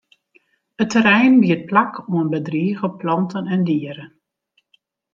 It terrein biedt plak oan bedrige planten en dieren.